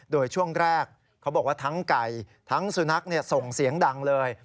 โดยช่วงแรกเขาบอกว่าทั้งไก่ทั้งสุนัขส่งเสียงดังเลย